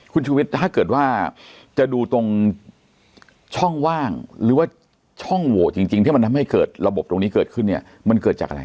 คุณชุวิตถ้าเกิดว่าจะดูตรงช่องว่างหรือว่าช่องโหวตจริงที่มันทำให้เกิดระบบตรงนี้เกิดขึ้นเนี่ยมันเกิดจากอะไร